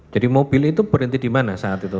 jadi mobil itu berhenti di mana saat itu